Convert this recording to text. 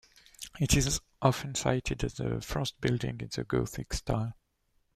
It is often cited as the first building in the Gothic style.